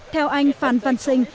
theo anh phan văn sinh